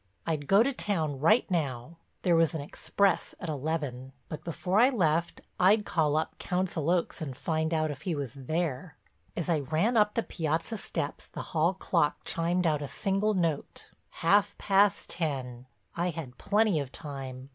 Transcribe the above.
I'd go to town right now—there was an express at eleven—but before I left I'd call up Council Oaks and find out if he was there. As I ran up the piazza steps the hall clock chimed out a single note, half past ten—I had plenty of time.